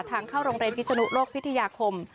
ทางเข้าโรงเรียนพิศนุโลกพิทยาคม